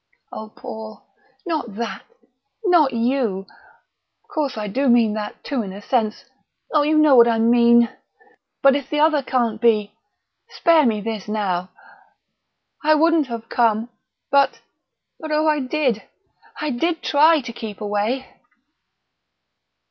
"Oh, Paul, not that not you of course I do mean that too in a sense oh, you know what I mean!... But if the other can't be, spare me this now! I I wouldn't have come, but but oh, I did, I did try to keep away!"